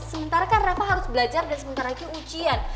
sementara kan rafa harus belajar dan sementara itu ujian